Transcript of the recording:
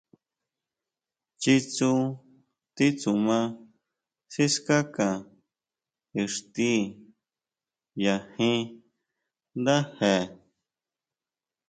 Chitsú titsuma sikáka ixti ya jín ndáje.